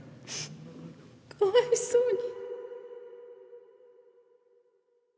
かわいそうに。